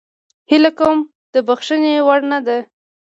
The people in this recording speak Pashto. هیله کوم د بخښنې وړ نه ده.